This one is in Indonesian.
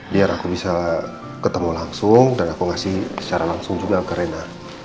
biar aku bisa ketemu langsung dan aku ngasih secara langsung juga ke redar